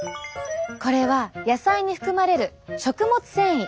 これは野菜に含まれる食物繊維。